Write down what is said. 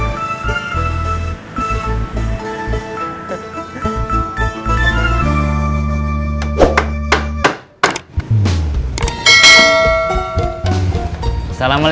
waalaikumsalam bu yola